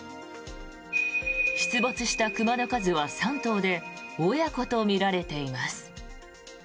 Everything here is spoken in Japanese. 出没した熊の数は３頭で親子とみられています。